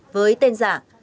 với tên giả